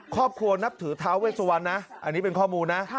ครอบครัวนับถือท้าเวสุวรรณนะอันนี้เป็นข้อมูลนะ